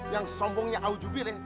yang sombongnya awjubileh